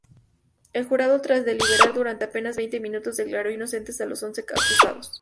El jurado, tras deliberar durante apenas veinte minutos, declaró inocentes a los once acusados.